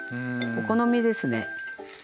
お好みですね。